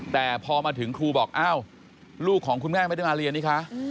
แต่พอมาถึงครูบอกอ้าวลูกของคุณแม่ไม่ได้มาเรียนนี่คะ